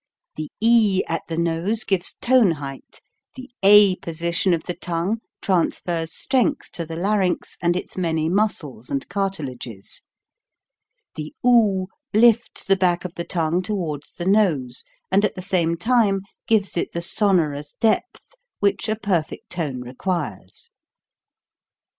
The e at the nose gives tone height, the a position of the tongue transfers strength to the larynx and its many muscles and cartilages; the oo lifts the back of the tongue towards the nose and at the same time gives it the sonorous depth which a perfect tone requires.